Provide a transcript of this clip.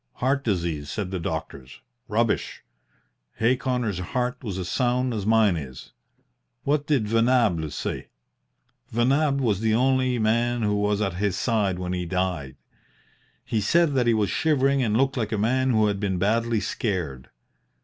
'Heart disease,' said the doctors. Rubbish! Hay Connor's heart was as sound as mine is. What did Venables say? Venables was the only man who was at his side when he died. He said that he was shivering and looked like a man who had been badly scared.